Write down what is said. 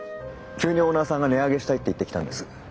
急にオーナーさんが値上げしたいって言ってきたんです。